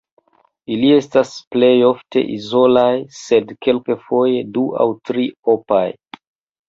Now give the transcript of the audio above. Ili estas plejofte izolaj sed kelkfoje du aŭ tri–opaj.